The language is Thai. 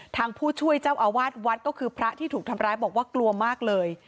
ผู้ช่วยเจ้าอาวาสวัดก็คือพระที่ถูกทำร้ายบอกว่ากลัวมากเลย